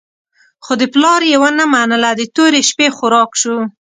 خو د پلار یې ونه منله، د تورې شپې خوراک شو.